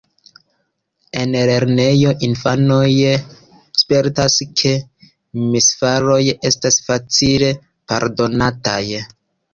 En lernejoj infanoj spertas, ke misfaroj estas facile pardonataj.